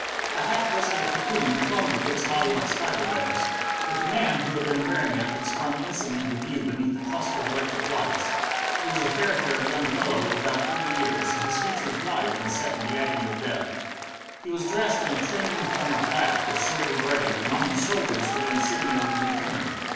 The half visible cocoon clung to Dick's body like spider webs. But the man who had been wearing it had sprung instantly into view beneath the cluster of electric lights. He was a fair haired young fellow of about thirty years, his features white and set in the agony of death. He was dressed in a trim uniform of black, with silver braid, and on his shoulders were the insignia of a lieutenant.